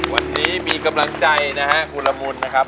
วันนี้มีกำลังใจนะฮะคุณละมุนนะครับ